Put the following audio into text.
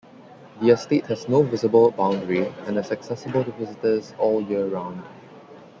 The estate has no visible boundary and is accessible to visitors all year round.